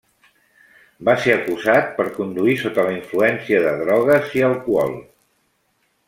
Va ser acusat per conduir sota la influència de drogues i alcohol.